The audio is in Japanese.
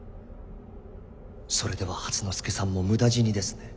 それでは初之助さんも無駄死にですね。